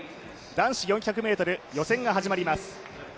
男子４００ｍ予選が始まります。